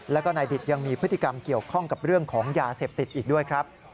แล้วก็นายดิตยังมีพฤติกรรมเกี่ยวข้องกับเรื่องของยาเสพติดอีกด้วยครับ